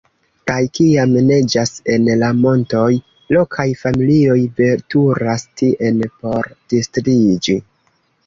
Kaj kiam neĝas en la montoj, lokaj familioj veturas tien por distriĝi.